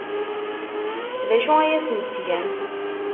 D acu ay asent-tgam?